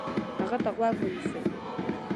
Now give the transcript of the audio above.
هغه ته غوږ ونیسئ،